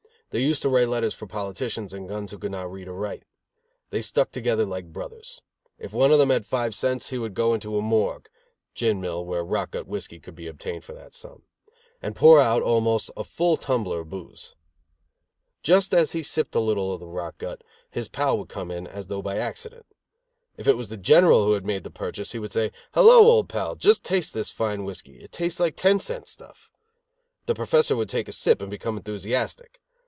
They used to write letters for politicians and guns who could not read or write. They stuck together like brothers. If one of them had five cents, he would go into a morgue (gin mill where rot gut whiskey could be obtained for that sum) and pour out almost a full tumbler of booze. Just as he sipped a little of the rot gut, his pal would come in, as though by accident. If it was the General who had made the purchase, he would say: "Hello, old pal, just taste this fine whiskey. It tastes like ten cent stuff." The Professor would take a sip and become enthusiastic.